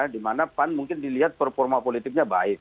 dimana pan mungkin dilihat performa politiknya baik